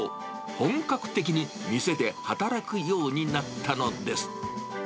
本格的に店で働くようになったのです。